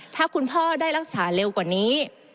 ถ้าคุณพ่อได้รักษาเร็วกว่านี้